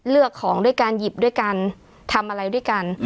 เลือกของด้วยการหยิบด้วยกันทำอะไรด้วยกัน